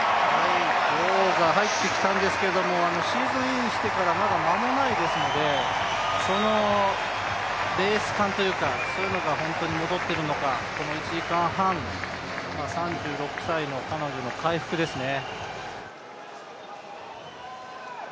女王が入ってきたんですけれども、シーズンインしてからまだ間もないですので、レース勘というか、そういうのが本当に戻るのかこの１時間半、３６歳の彼女の回復ですね。